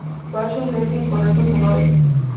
Fashion Design con altos honores.